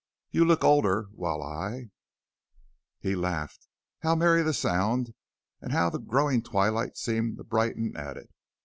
You look older, while I " He laughed. How merry the sound, and how the growing twilight seemed to brighten at it!